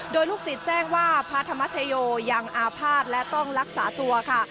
โดยลูกศิษย์แจ้งว่าพระธรรมชโยยังอาภาษณ์และต้องรักษาตัวค่ะ